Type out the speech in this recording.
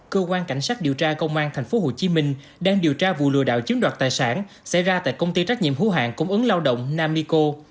cơ quan cảnh sát điều tra công an tp hồ chí minh đang điều tra vụ lừa đảo chiếm đoạt tài sản xảy ra tại công ty trách nhiệm hữu hạn cũng ứng lao động nam mico